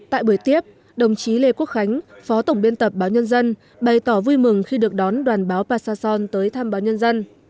tại buổi tiếp đồng chí lê quốc khánh phó tổng biên tập báo nhân dân bày tỏ vui mừng khi được đón đoàn báo passason tới thăm báo nhân dân